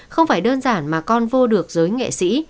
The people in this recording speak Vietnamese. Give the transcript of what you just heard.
không phải đơn giản mà con vô được giới nghệ sĩ